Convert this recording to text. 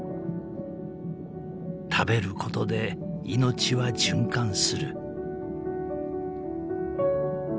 ［食べることで命は循環する］